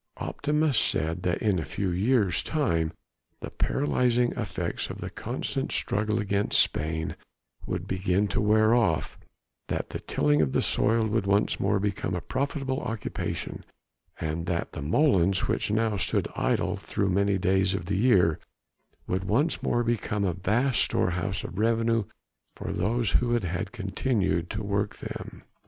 Optimists said that in a few years time the paralysing effects of the constant struggle against Spain would begin to wear off, that the tilling of the soil would once more become a profitable occupation and that the molens which now stood idle through many days in the year would once more become a vast storehouse of revenue for those who had continued to work them.